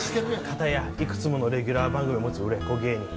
かたやいくつものレギュラー番組を持つ売れっ子芸人。